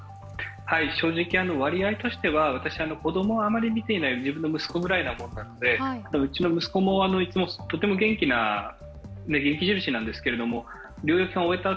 正直、割合としては、私、子供をあまり診ていないうちの子供ぐらいなのでうちの息子もいつもとても元気な、元気印なんですけれども、療養期間がすぎた